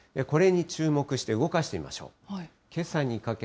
これに注目して、動かしてみましょう。